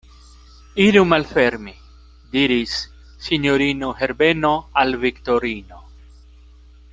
Iru malfermi, diris sinjorino Herbeno al Viktorino.